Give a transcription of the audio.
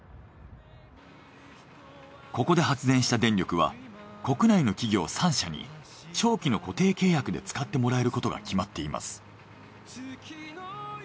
ここで発電した電力は国内の企業３社に長期の固定契約で使ってもらえることが決まっています。